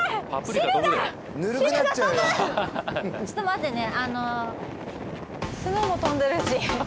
ちょっと待ってね